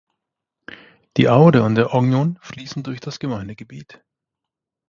Die Aude und der Ognon fließen durch das Gemeindegebiet.